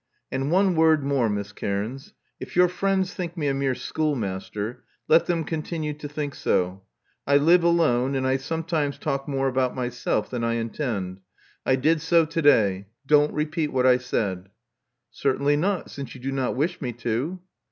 And one word more, Miss Cairns. If your friends think me a mere schoolmaster, let them continue to think so. I live alone, and I sometimes talk more about myself than I intend. I did so to day. Don't repeat what I said." Certainly not, since you do not wish me to."